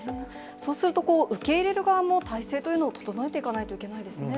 そうすると、受け入れる側も態勢というのを整えていかないといけないですね。